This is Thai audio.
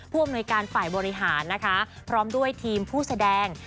อำนวยการฝ่ายบริหารนะคะพร้อมด้วยทีมผู้แสดง